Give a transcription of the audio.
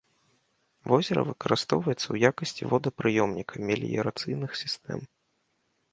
Возера выкарыстоўваецца ў якасці водапрыёмніка меліярацыйных сістэм.